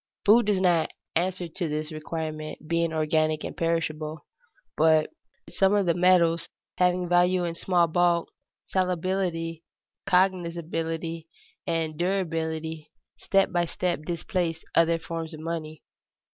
Food does not answer to this requirement, being organic and perishable. But some of the metals, having value in small bulk, salability, cognizability, and durability, step by step displaced other forms of money.